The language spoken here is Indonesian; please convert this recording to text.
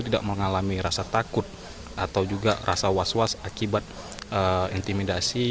tidak mengalami rasa takut atau juga rasa was was akibat intimidasi